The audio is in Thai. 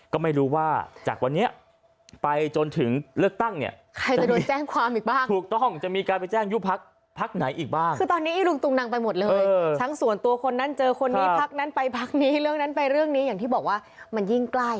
ก็ไม่รู้ว่าจากวันนี้ไปจนถึงเลือกตั้งเนี่ย